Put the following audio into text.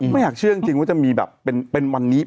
ไม่อยากเชื่อจริงว่าจะมีวันนี้